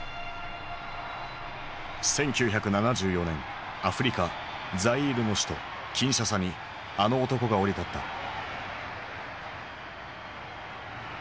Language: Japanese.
１９７４年アフリカザイールの首都キンシャサにあの男が降り立った。